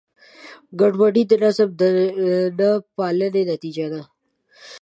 ګډوډي د نظم د نهپالنې نتیجه ده.